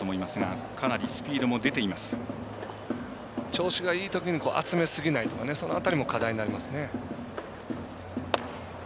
調子がいいときに集めすぎないとかその辺りも課題になりますね。